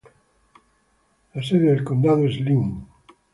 La sede del condado es Linn.